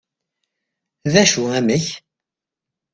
d acu amek?